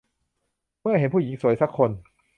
เมื่อเห็นผู้หญิงสวยสักคน